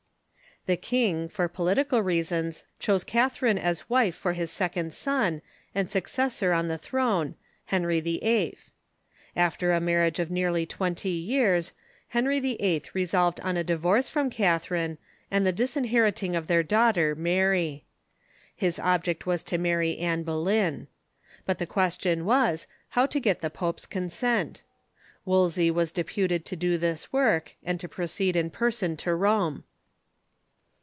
The king, for political reasons, chose Catharine as wife for his second son and successor on the throne, Henry VIII. After a marriage of nearly twenty years, Henry VIII. resolved on a divorce from Catharine, and the disinheriting of their daughter Mar}^ His object mms to THE ENGLISH REFORMATION 247 marry Anne Boleyn. But tlie question was, how to get the pope's consent. Wolsey was deputed to do this work, and to proceed in person to Rome.